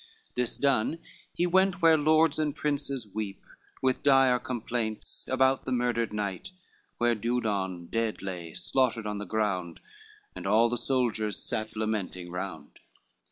This done he went where lords and princes weep With dire complaints about the murdered knight, Where Dudon dead lay slaughtered on the ground. And all the soldiers sat lamenting round.